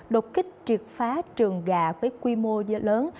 đột kích truyệt phá trường gà với quy mô lớn